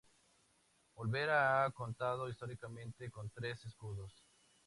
Olvera ha contado históricamente con tres escudos.